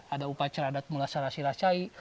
ada upacara adat mulasara sirasai